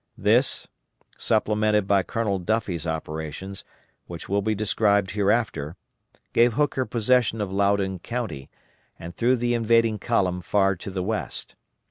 This, supplemented by Colonel Duffie's operations, which will be described hereafter, gave Hooker possession of Loudon County, and threw the invading column far to the west.